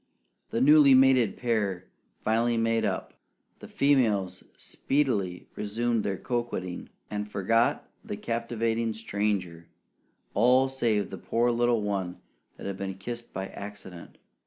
The newly mated pair finally made up; the females speedily resumed their coquetting, and forgot the captivating stranger all save the poor little one that had been kissed by accident.